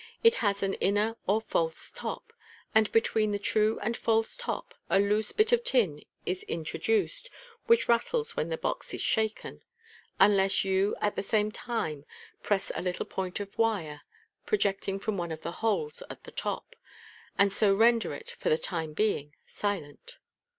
It has an inner or false top, and between the true and false top a loose bit of tin is in troduced, which rattles when the box is shaken, unless you at the same time press a little point of wire projecting from one of the holes at the top, and so render it, for the time being, silent.